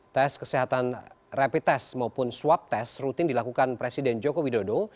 tes kesehatan rapid test maupun swab test rutin dilakukan presiden joko widodo